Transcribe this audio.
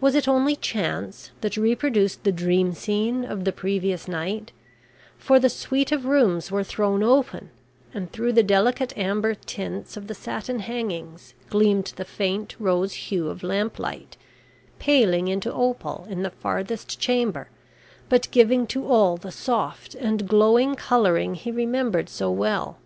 Was it only chance that reproduced the dream scene of the previous night, for the suite of rooms were thrown open, and through the delicate amber tints of the satin hangings gleamed the faint rose hue of lamplight, paling into opal in the farthest chamber but giving to all the soft and glowing colouring he remembered so well.